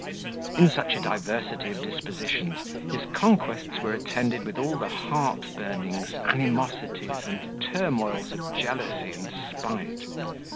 In such a diversity of dispositions, his conquests were attended with all the heart burnings, animosities, and turmoils of jealousy and spite.